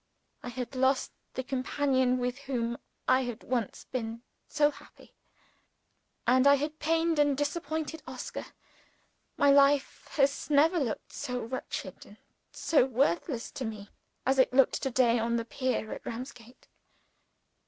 I had lost the companion with whom I had once been so happy; and I had pained and disappointed Oscar. My life has never looked so wretched and so worthless to me as it looked to day on the pier at Ramsgate.